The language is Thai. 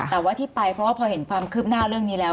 แต่ว่าที่ไปเพราะว่าพอเห็นความคืบหน้าเรื่องนี้แล้ว